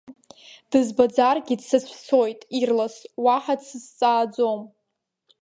Дызбаӡаргьы, дсыцәцоит ирлас, уаҳа дсызҵааӡом.